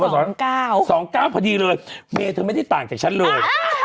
สองเก้าพอดีเลยเมย์เธอไม่ได้ต่างจากฉันเลย